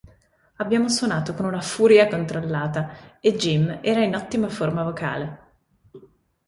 Abbiamo suonato con una furia controllata e Jim era in ottima forma vocale.